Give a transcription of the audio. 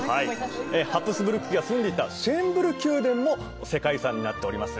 ハプスブルク家が住んでいたシェーンブルン宮殿も世界遺産になっております